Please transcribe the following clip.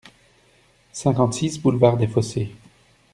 cinquante-six boulevard des Fossés